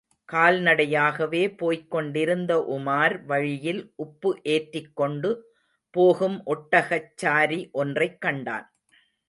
கால்நடையாகவே போய்க் கொண்டிருந்த உமார் வழியில் உப்பு ஏற்றிக் கொண்டு போகும் ஒட்டகச் சாரி ஒன்றைக் கண்டான்.